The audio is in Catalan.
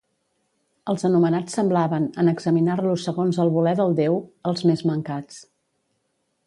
Els anomenats semblaven, en examinar-los segons el voler del déu, els més mancats.